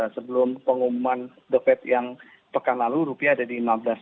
sebelum pengumuman defek yang pekan lalu rupiah ada di lima belas enam